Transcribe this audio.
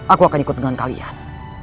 aku akan ikut dengan kalian